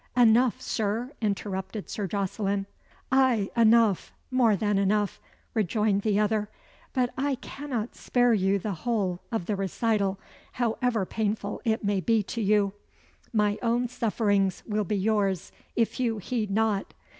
"Enough, Sir," interrupted Sir Jocelyn. "Ay, enough more than enough," rejoined the other; "but I cannot spare you the whole of the recital, however painful it may be to you. My own sufferings will be yours, if you heed not.